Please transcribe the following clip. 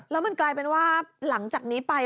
แล้วมันกลายเป็นว่าหลังจากนี้ไป